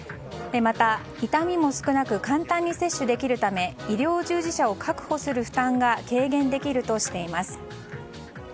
また、痛みも少なく簡単に接種できるため医療従事者を確保する負担が軽減できるとしています。